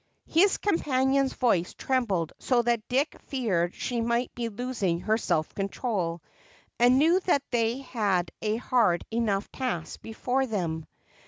His companion's voice trembled so that Dick feared she might be losing her self control and knew that they had a hard enough task before them.